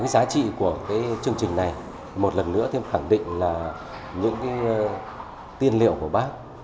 giá trị của chương trình này một lần nữa thêm khẳng định là những tiên liệu của bác